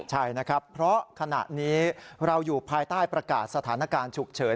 ใช่นะครับเพราะขณะนี้เราอยู่ภายใต้ประกาศสถานการณ์ฉุกเฉิน